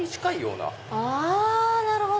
なるほど。